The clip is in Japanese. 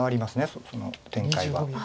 その展開は。